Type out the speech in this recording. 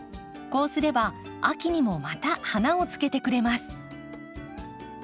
こうすれば秋にもまた花をつけてくれます。